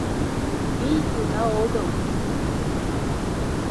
Пий уда огыл.